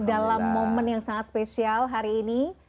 dalam momen yang sangat spesial hari ini